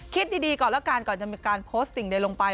คิดดีก่อนแล้วกันก่อนจะมีการโพสต์สิ่งใดลงไป